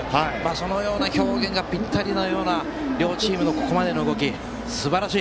そのような表現がぴったりな両チームのここまでの動きすばらしい。